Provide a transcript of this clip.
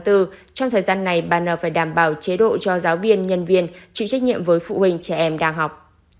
trong thời gian này bà nở phải đảm bảo chế độ cho giáo viên nhân viên chịu trách nhiệm với phụ huynh trẻ em đang học